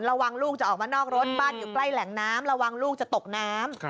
ลูกจะออกมานอกรถบ้านอยู่ใกล้แหล่งน้ำระวังลูกจะตกน้ำ